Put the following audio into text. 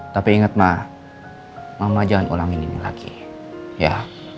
tapi inget ma mama jangan ulangin ini lagi ya